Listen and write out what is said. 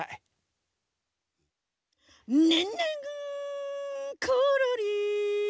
「ねんねんころり」